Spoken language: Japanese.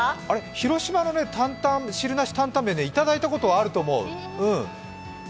広島の汁なし担担麺、いただいたことあると思う。